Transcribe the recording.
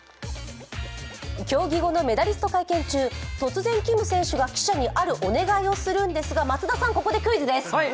競技後のメダリスト会見中、突然キム選手が記者にあるお願いをするんですが、松田さん、ここでクイズです。